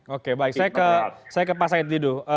oke baik saya ke pak said didu